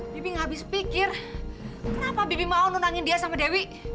bibi gak habis pikir kenapa bibi mau nentangin dia sama dewi